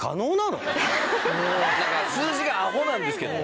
数字がアホなんですけど。